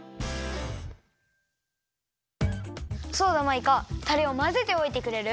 そうだマイカタレをまぜておいてくれる？